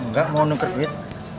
enggak mau nuker duit